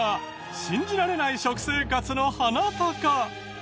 信じられない食生活のハナタカ！